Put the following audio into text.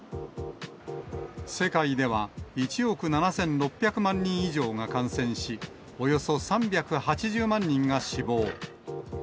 世界では１億７６００万人以上が感染し、およそ３８０万人が死亡。